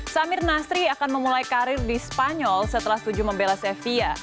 samir nasri akan memulai karir di spanyol setelah setuju membela sevia